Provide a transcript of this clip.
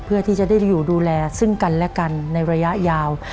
เพื่อที่จะได้อยู่ดูแลซึ่งกันและกันในระยะยาว